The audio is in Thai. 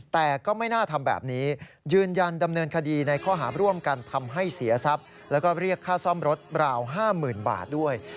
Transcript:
แต่ก็ไม่น่าทำแบบนี้ยืนยันดำเนินคดีในข้อหาร่วมกันทำให้เสียทรัพย์แล้วก็เรียกค่าซ่อมรถราว๕๐๐๐บาทด้วย